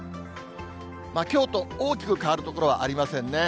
きょうと大きく変わる所はありませんね。